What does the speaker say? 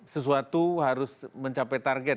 sesuatu harus mencapai target